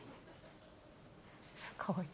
かわいい。